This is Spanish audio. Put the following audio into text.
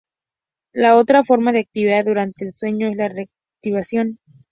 La otra forma de actividad durante el sueño es la reactivación.